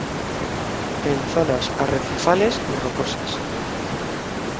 En zonas arrecifales y rocosas.